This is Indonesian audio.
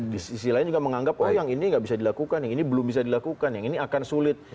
di sisi lain juga menganggap oh yang ini nggak bisa dilakukan yang ini belum bisa dilakukan yang ini akan sulit